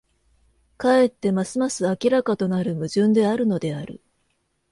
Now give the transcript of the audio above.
かえってますます明らかとなる矛盾であるのである。